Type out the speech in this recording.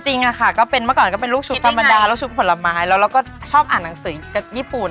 จริงค่ะก็เป็นเมื่อก่อนก็เป็นลูกชุบธรรมดาลูกชุบผลไม้แล้วเราก็ชอบอ่านหนังสือกับญี่ปุ่น